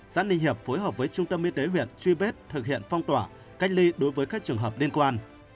xã ninh hiệp phối hợp với trung tâm y tế huyện truy vết thực hiện phong tỏa cách ly đối với các trường hợp liên quan